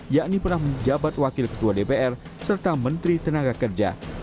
yakni pernah menjabat wakil ketua dpr serta menteri tenaga kerja